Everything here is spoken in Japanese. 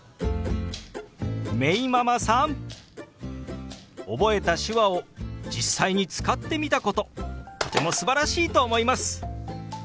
めいママさん覚えた手話を実際に使ってみたこととてもすばらしいと思います。